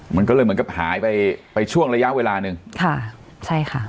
มันก็เลยเหมือนกับหายไปไปช่วงระยะเวลาหนึ่งค่ะใช่ค่ะ